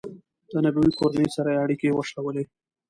د نبوي کورنۍ سره یې اړیکې وشلولې.